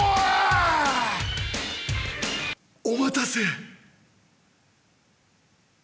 お待たせ。